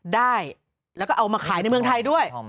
ได้แล้วก็เอามาขายในเมืองไทยด้วย